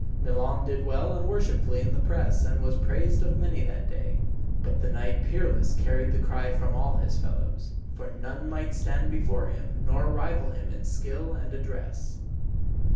Milon did well and worshipfully in the press, and was praised of many that day. But the Knight Peerless carried the cry from all his fellows, for none might stand before him, nor rival him in skill and address.